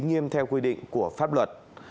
nghiêm theo quy định của pháp luật